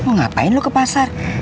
ngapain lo ke pasar